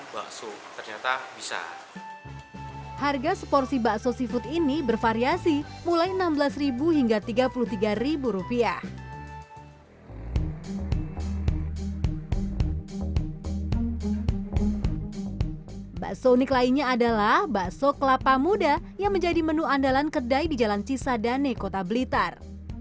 bakso unik lainnya adalah bakso kelapa muda yang menjadi menu andalan kedai di jalan cisadane kota blitar